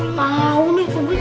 ga tau nih cukri